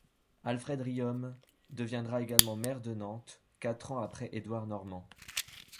Alfred Riom deviendra également maire de Nantes, quatre après Édouard Normand.